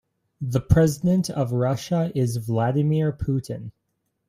The president of Russia is Vladimir Putin.